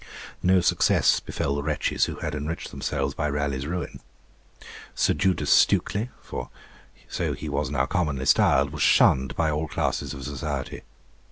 No success befell the wretches who had enriched themselves by Raleigh's ruin. Sir Judas Stukely, for so he was now commonly styled, was shunned by all classes of society.